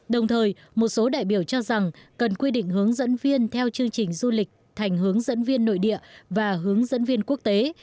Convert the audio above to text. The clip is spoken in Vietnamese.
đồng thời một số đại biểu cho rằng cần quy định hướng dẫn viên theo chương trình du lịch thành hướng dẫn viên nội địa và hướng dẫn viên quốc tế